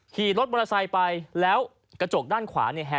ค่อยมาค่อยมาค่ะ